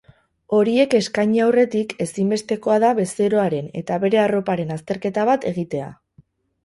Horiek eskaini aurretik ezinbestekoa da bezeroaren eta bere arroparen azterketa bat egitea.